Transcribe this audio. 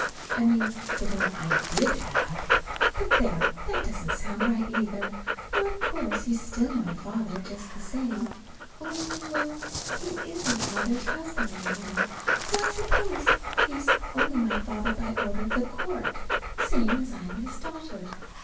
I mean the one I did have. But, there! that doesn't sound right, either; for of course he's still my father just the same, only well, he isn't Mother's husband any more, so I suppose he's only my father by order of the court, same as I'm his daughter.